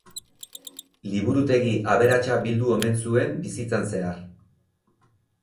Liburutegi aberatsa bildu omen zuen bizitzan zehar.